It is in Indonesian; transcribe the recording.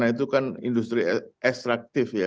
nah itu kan industri ekstraktif ya